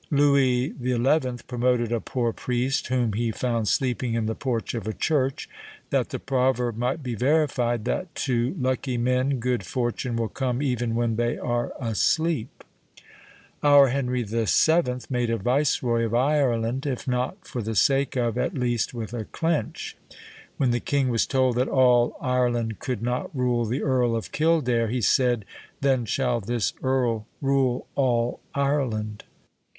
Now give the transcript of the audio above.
Lewis XI. promoted a poor priest whom he found sleeping in the porch of a church, that the proverb might be verified, that to lucky men good fortune will come even when they are asleep! Our Henry VII. made a viceroy of Ireland if not for the sake of, at least with a clench. When the king was told that all Ireland could not rule the Earl of Kildare, he said, then shall this earl rule all Ireland.